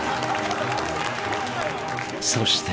［そして］